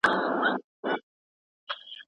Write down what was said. تجاوزګر باید په سخته سزا محکوم سي.